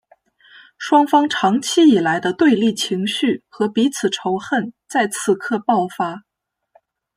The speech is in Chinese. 双方长期以来的对立情绪和彼此仇恨在此刻爆发。